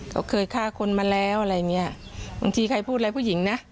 เขาเคยฆ่าคนมาแล้วอะไรอย่างเงี้ยบางทีใครพูดอะไรผู้หญิงนะ